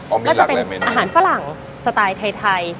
อ๋อมีหลักอะไรในเมนูนี้ก็จะเป็นอาหารฝรั่งสไตล์ไทย